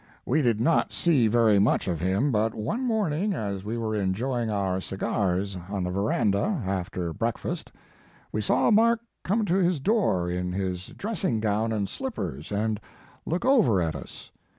We did not see very much of him, but one morning as we were enjoying our cigars on the veranda after breakfast, we saw Mark come to his door in his dressing gown and slippers, and look over at us.